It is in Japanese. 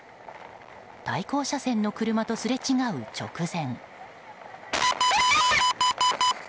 対向車線の車とすれ違う直前。